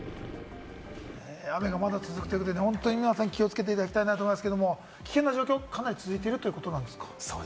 雨がまだ続くということで、本当に皆さん、気をつけていただきたいなと思いますが、危険な状況、かなり続いているということですか？